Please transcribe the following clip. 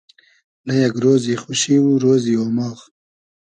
نۂ یئگ رۉزی خوشی و رۉزی اۉماغ